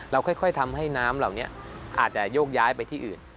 ค่อยทำให้น้ำเหล่านี้อาจจะโยกย้ายไปที่อื่น